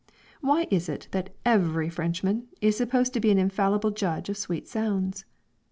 Why is it that every Frenchman is supposed to be an infallible judge of sweet sounds?